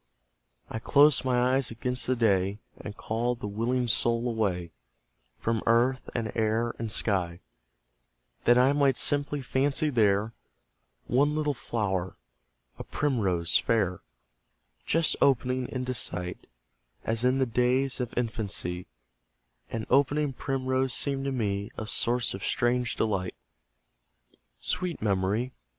I closed my eyes against the day, And called my willing soul away, From earth, and air, and sky; That I might simply fancy there One little flower a primrose fair, Just opening into sight; As in the days of infancy, An opening primrose seemed to me A source of strange delight. Sweet Memory!